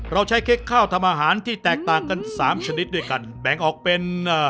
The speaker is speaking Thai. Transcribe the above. เราใช้เค้กข้าวทำอาหารที่แตกต่างกันสามชนิดด้วยกันแบ่งออกเป็นเอ่อ